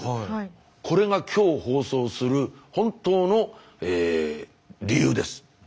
これがきょう放送する本当の理由です。